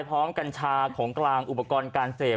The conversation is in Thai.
กัญชาของกลางอุปกรณ์การเสพ